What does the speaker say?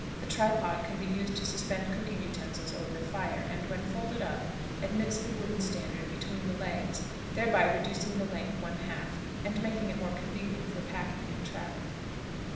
The tripod can be used to suspend cooking utensils over the fire, and, when folded up, admits the wooden standard between the legs, thereby reducing the length one half, and making it more convenient for packing and traveling.